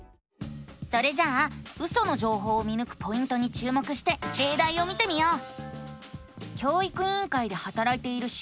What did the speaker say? それじゃあウソの情報を見ぬくポイントに注目してれいだいを見てみよう！